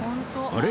あれ？